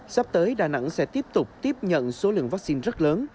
sắp tới đà nẵng sẽ tiếp tục tiếp nhận số lượng vắc xin rất lớn